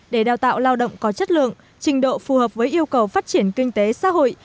để đào tạo lao động có chất lượng trình độ phù hợp với yêu cầu phát triển kinh tế xã hội